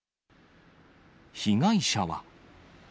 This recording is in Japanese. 被害者は。